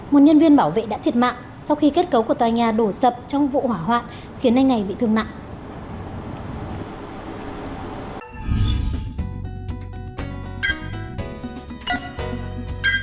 một nhân viên bảo vệ đã thiệt mạng sau khi kết cấu của tòa nhà đổ sập trong vụ hỏa hoạn khiến anh này bị thương nặng